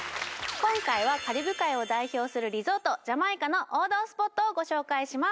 今回はカリブ海を代表するリゾートジャマイカの王道スポットをご紹介します